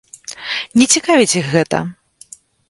Не цікавіць іх гэта.